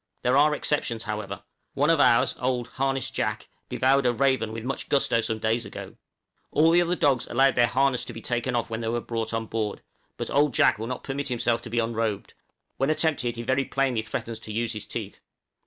There are exceptions, however; one of ours, old "Harness Jack," devoured a raven with much gusto some days ago. All the other dogs allowed their harness to be taken off when they were brought on board; but old Jack will not permit himself to be unrobed; when attempted he very plainly threatens to use his teeth.